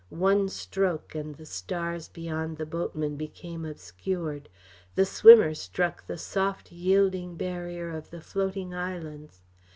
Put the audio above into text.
One stroke and the stars beyond the boatman became obscured; the swimmer struck the soft, yielding barrier of the floating islands.